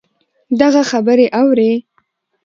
دغـه خبـرې اورې